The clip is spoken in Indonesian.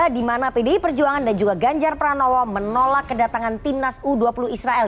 di mana pdi perjuangan dan juga ganjar pranowo menolak kedatangan timnas u dua puluh israel